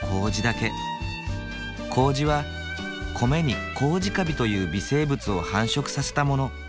麹は米にコウジカビという微生物を繁殖させたもの。